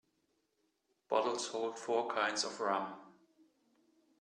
Bottles hold four kinds of rum.